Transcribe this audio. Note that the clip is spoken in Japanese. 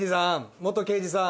元刑事さん。